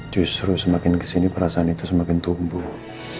justru semakin kesini perasaan itu semakin tumbuh